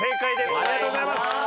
ありがとうございます！